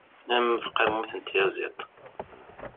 A mm tqamumt n tyaziḍt!